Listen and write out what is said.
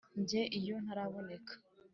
Jye iyo ntaraboneka